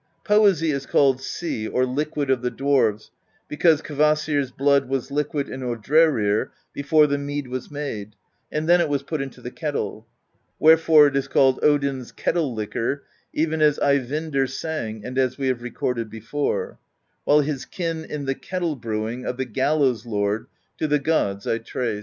Poesy is called Sea, or Liquid of the Dwarves, because Kvasir's blood was liquid in Odrerir before the mead was made, and then it was put into the kettle; wherefore it is called Odin's Kettle Liquor, even as Ey vindr sang and as we have recorded before: While his kin In the Kettle Brewing Of the Gallows Lord To the gods I trace/ ^ See page 105.